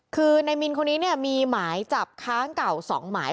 คือในมีนคนนี้มีหมายจับค้างเก่า๒หมาย